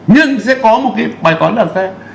nhưng sẽ có một bài toán đặc thế